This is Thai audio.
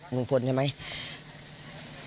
พี่แม่สุมภูหรือครับมึงควรใช่ไหม